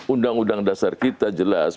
undang undang dasar kita jelas